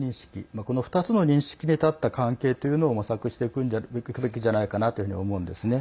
この２つの認識に立った関係というのを模索していくべきじゃないかなというふうに思うんですね。